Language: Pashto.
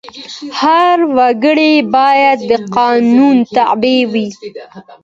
هر وګړی باید د قانون تابع وي.